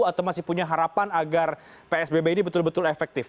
atau masih punya harapan agar psbb ini betul betul efektif